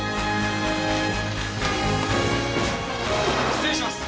失礼します。